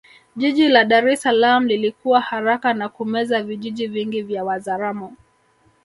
Jiji la Dar es Salaam lilikua haraka na kumeza vijiji vingi vya Wazaramo